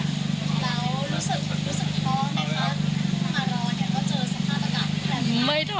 แล้วรู้สึกท้อไหมค่ะ